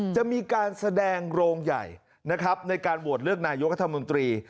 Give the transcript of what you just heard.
จะมีการแสดงโรงใหญ่นะครับในการโหวตเลือกนายกรัฐมนตรี